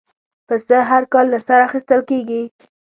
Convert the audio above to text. پسه هر کال له سره اخېستل کېږي.